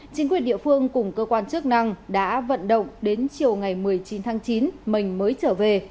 chính quyền địa phương cùng cơ quan chức năng đã vận động đến chiều ngày một mươi chín tháng chín mình mới trở về